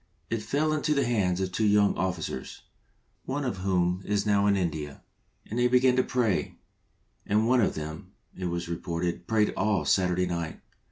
It fell into the hands of two yoiing Officers, one of whom is now in India, and they began to pray, and one of them, it was reported, prayed all Saturday night.